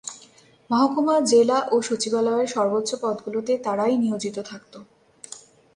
মহকুমা, জেলা ও সচিবালয়ের সর্বোচ্চ পদগুলোতে তাঁরাই নিয়োজিত থাকত।